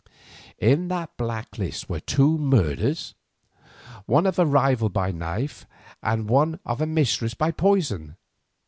In that black list were two murders: one of a rival by the knife, and one of a mistress by poison.